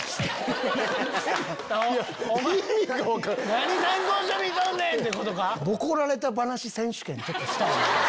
「何参考書見とんねん⁉」ってことか。